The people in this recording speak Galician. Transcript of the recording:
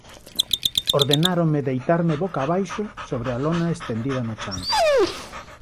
Ordenáronme deitarme boca abaixo sobre a lona estendida no chan.